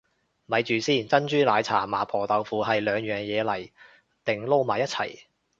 咪住先，珍珠奶茶麻婆豆腐係兩樣嘢嚟定撈埋一齊